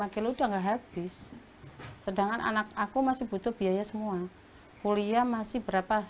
lima kilo udah nggak habis sedangkan anak aku masih butuh biaya semua kuliah masih berapa